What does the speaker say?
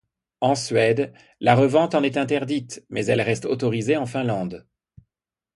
En Suède, la vente en est interdite, mais elle reste autorisée en Finlande.